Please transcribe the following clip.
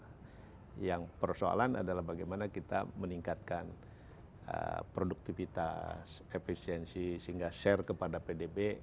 nah yang persoalan adalah bagaimana kita meningkatkan produktivitas efisiensi sehingga share kepada pdb